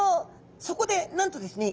そこでなんとですね